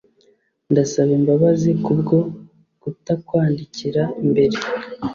Ndasaba imbabazi kubwo kutakwandikira mbere